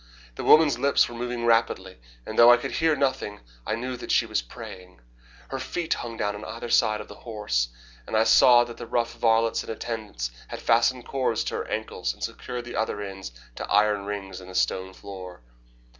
The woman's lips were moving rapidly, and though I could hear nothing I knew that she was praying. Her feet hung down on either side of the horse, and I saw that the rough varlets in attendance had fastened cords to her ankles and secured the other ends to iron rings in the stone floor.